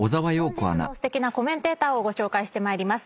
本日のすてきなコメンテーターをご紹介してまいります。